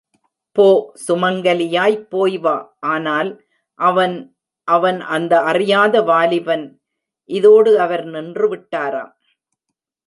போ, சுமங்கலியாய்ப் போய் வா ஆனால், அவன்.... அவன்... அந்த அறியாத வாலிபன்!... இதோடு அவர் நின்றுவிட்டாராம்.